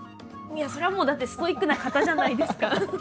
いやそりゃもうだってストイックな方じゃないですか。